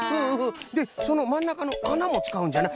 でそのまんなかのあなもつかうんじゃな。